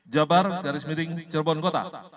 jabar garis miring cirebon kota